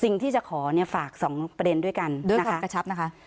สิ่งที่จะขอเนี่ยฝาก๒ประเด็นด้วยกันนะคะกระชับนะคะ